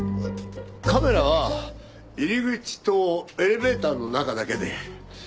カメラは入り口とエレベーターの中だけで。